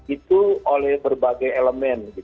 itu oleh berbagai elemen